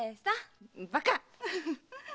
バカ！